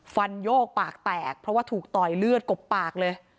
โยกปากแตกเพราะว่าถูกต่อยเลือดกบปากเลย